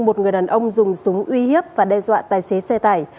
một người đàn ông dùng súng uy hiếp và đe dọa tài xế xe tải